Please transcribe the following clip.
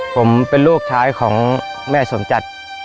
ผมเป็นลูกชายของแม่สมจัด